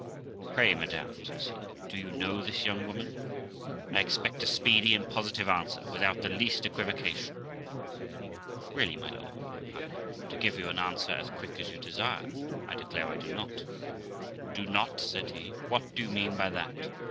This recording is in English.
' Pray, madam ', says he, ' do you know this young woman ? I expect a speedy and positive answer, without the least equivocation.' 'Really, my lord', replied I, 'to give you an answer as quick as you desire, 1 declare I do not.' 'Do not!' said he, 'what do you mean by that?